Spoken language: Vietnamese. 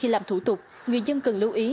làm thủ tục người dân cần lưu ý